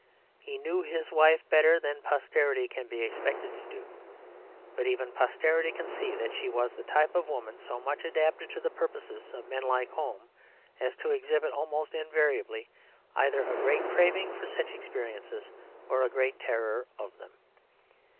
He knew his wife better than posterity can be expected to do; but even posterity can see that she was the type of woman so much adapted to the purposes of men like Home as to exhibit almost invariably either a great craving for such experiences or a great terror of them.